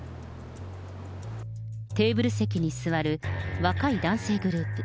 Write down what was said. テーブル席に座る、若い男性グループ。